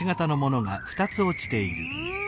うん。